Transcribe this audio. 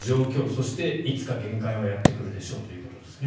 そしていつか限界はやってくるでしょうということです。